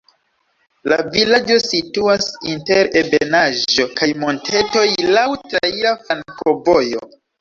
La vilaĝo situas inter ebenaĵo kaj montetoj, laŭ traira flankovojo.